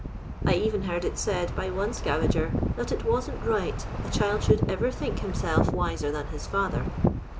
I even heard it said by one scavager that it wasn't right a child should ever think himself wiser than his father.